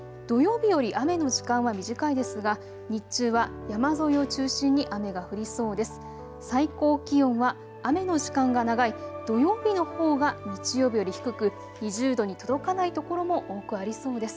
そして日曜日は土曜日より雨の時間は短いですが日中は山沿いを中心に雨が降りそうです。